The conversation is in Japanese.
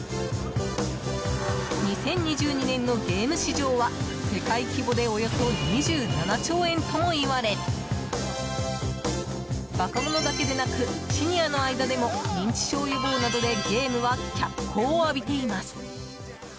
２０２２年のゲーム市場は世界規模でおよそ２７兆円ともいわれ若者だけでなくシニアの間でも認知症予防などでゲームは脚光を浴びています。